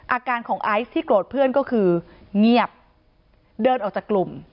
อาการของไอซ์ที่โกรธเพื่อนก็คือเงียบเดินออกจากกลุ่ม